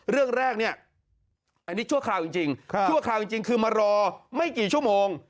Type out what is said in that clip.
เรื่องแรกเนี่ยอันนี้ชั่วคราวจริงชั่วคราวจริงคือมารอไม่กี่ชั่วโมง